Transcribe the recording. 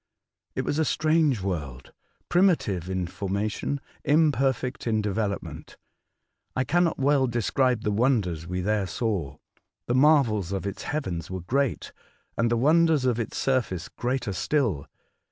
It was a strange world — primitive in forma tion, imperfect in development. I cannot well describe the wonders we there saw. The marvels of its heavens were great, and the wonders of its surface greater still.